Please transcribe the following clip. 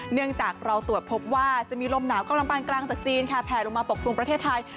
เนื่องจากเราตรวจพบว่าจะมีลมหนาวกำลังปานกลางจากจีนค่ะแผลลงมาปกครุมประเทศไทย